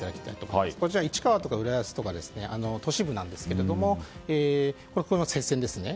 こちら、市川とか浦安とか都市部なんですがここも接戦ですね。